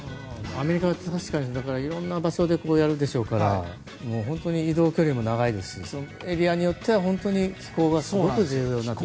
アメリカは確かにいろんな場所でやるでしょうから本当に移動距離も長いですしエリアによっては本当に気候が重要になってくると。